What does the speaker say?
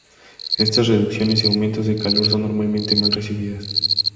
Estas reducciones y aumentos de calor son normalmente mal recibidas.